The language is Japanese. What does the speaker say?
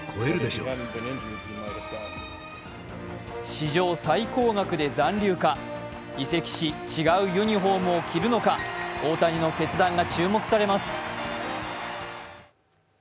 史上最高額で残留か、移籍し、違うユニフォームを着るのか大谷の決断が注目されます。